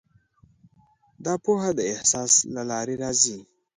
دا پوهه د احساس له لارې راځي.